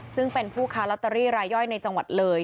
ซึ่งเป็นผู้ค้าลอตเตอรี่รายย่อยในจังหวัดเลย